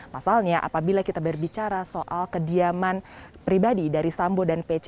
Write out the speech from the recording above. pasalnya apabila kita berbicara soal kediaman pribadi dari sambo dan pc